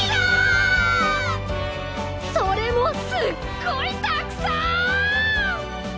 それもすっごいたくさん！